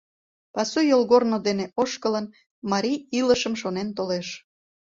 Пасу йолгорно дене ошкылын, марий илышым шонен толеш.